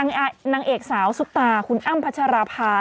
นางเอกสาวซุปตาคุณอ้ำพัชราภา